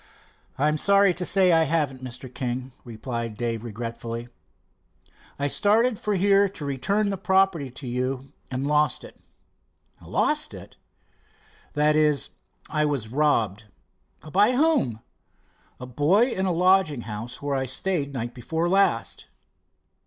"I am sorry to say I haven't, Mr. King," replied Dave regretfully. "I started for here to return the property to you and lost it." "Lost it?" "That is, I was robbed." "By whom?" "A boy in a lodging house where I stayed night before last."